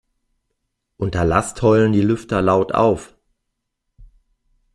Unter Last heulen die Lüfter laut auf.